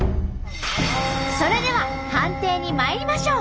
それでは判定にまいりましょう！